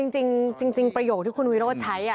จริงประโยคที่คุณวิโรธใช้